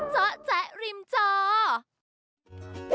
จ๊ะจ๊ะริมจ๋อ